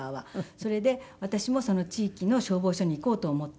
それで私も地域の消防署に行こうと思って。